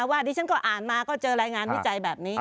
ว่าดิฉันก็อ่านมาก็เจอรายงานวิจัยแบบนี้